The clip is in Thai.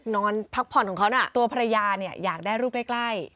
นอนพักผ่อนของเขาน่ะตัวภรรยาเนี่ยอยากได้ลูกใกล้